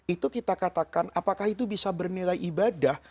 itu kita katakan apakah itu bisa bernilai ibadah